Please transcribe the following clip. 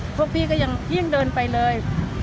พวกพี่ก็ยังเดินไปเลย